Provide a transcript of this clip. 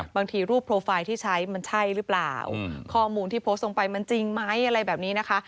บางทีรูปโพลไฟล์ที่ใช้มันใช่หรือเปล่าข้อมูลที่โพสต์ส่งไปมันจริงไหม